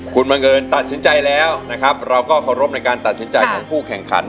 คุณมะเงินตัดสินใจแล้วเราก็ขอรพในการตัดสินใจของผู้แข่งขัน